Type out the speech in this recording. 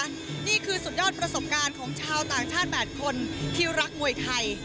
นี่คือสุดยอดประสบการณ์ของชาวต่างชาติ๘คนที่รักมวยไทย